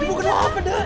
ibu kenapa da